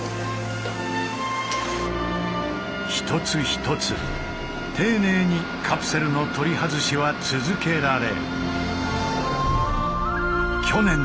一つ一つ丁寧にカプセルの取り外しは続けられ。